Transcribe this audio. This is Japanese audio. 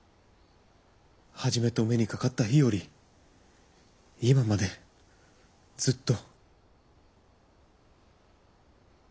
初めてお目にかかった日より今までずっと。